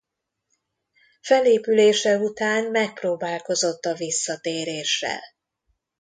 Felépülése után megpróbálkozott a visszatéréssel.